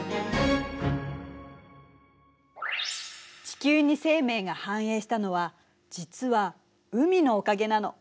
地球に生命が繁栄したのは実は海のおかげなの。